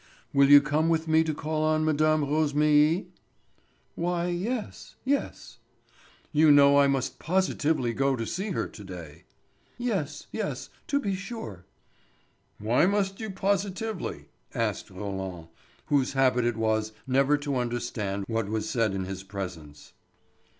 "Will you come with me to call on Mme. Rosémilly?" "Why, yes—yes." "You know I must positively go to see her to day." "Yes, yes. To be sure." "Why must you positively?" asked Roland, whose habit it was never to understand what was said in his presence.